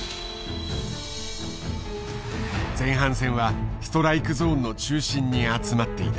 前半戦はストライクゾーンの中心に集まっていた。